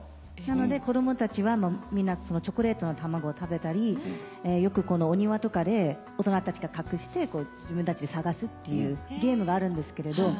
なので子供たちはみんなチョコレートの卵を食べたりよくお庭とかで大人たちが隠して自分たちで探すっていうゲームがあるんですけれど。